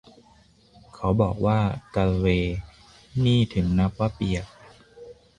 เขาบอกว่า กัลเวย์ นี่ถึงนับว่าเปียก